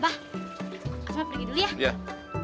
abah cuma ngasih tahu abah